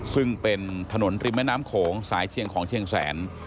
ซึ่งเป็นถนนริมแม่น้ำโขงสายเชียงของเชียงแสน